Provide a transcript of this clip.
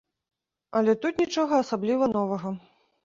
Але тут нічога асабліва новага.